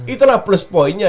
itulah plus pointnya